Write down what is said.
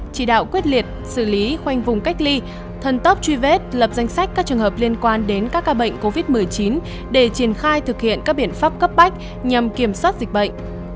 chỉ đạo quyết liệt xử lý khoanh vùng cách ly thân tóc truy vết lập danh sách các trường hợp liên quan đến các ca bệnh covid một mươi chín để triển khai thực hiện các biện pháp cấp bách nhằm kiểm soát dịch bệnh